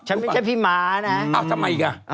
ฉันไม่ใช่พี่มานะ